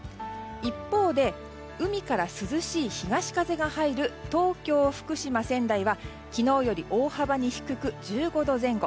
一方で海から涼しい東風が入る東京、福島、仙台は昨日より大幅に低く１５度前後。